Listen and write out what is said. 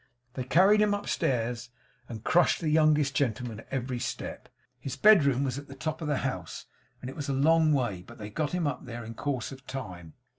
They carried him upstairs, and crushed the youngest gentleman at every step. His bedroom was at the top of the house, and it was a long way; but they got him there in course of time.